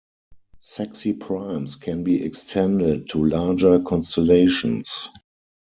Sexy primes can be extended to larger constellations.